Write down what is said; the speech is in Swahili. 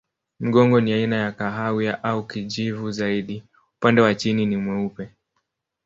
Mgongo ni aina ya kahawia au kijivu zaidi, upande wa chini ni mweupe.